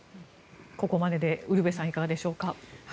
ここまででウルヴェさんいかがでしょうか。